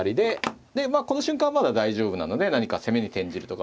でまあこの瞬間はまだ大丈夫なので何か攻めに転じるとか。